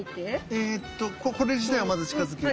えっとこれ自体をまず近づける。